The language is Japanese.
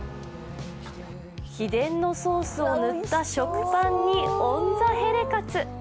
秘伝のソースを塗った食パンにオン・ザ・ヘレカツ。